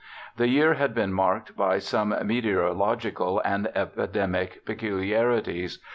The year had been marked by some meteoro logical and epidemic peculiarities.